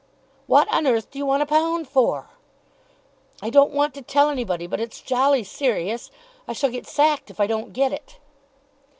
"What on earth do you want a pound for?" "I don't want to tell anybody. But it's jolly serious. I shall get sacked if I don't get it."